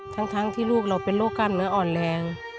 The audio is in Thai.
ทั้งที่ลูกเราเป็นโรคกล้ามเนื้ออ่อนแรง